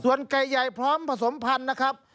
ส่วนไก่ใหญ่พร้อมผสมพันธุ์นะครับ